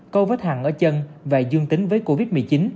câu vết hằng ở chân và dương tính với covid một mươi chín